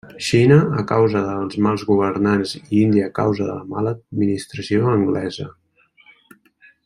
Xina a causa dels mals governants i Índia a causa de la mala administració anglesa.